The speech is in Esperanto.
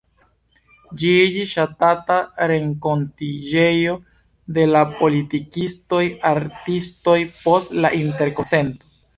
Ĝi iĝis ŝatata renkontiĝejo de la politikistoj, artistoj post la Interkonsento.